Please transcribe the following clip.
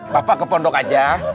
bapak ke pondok aja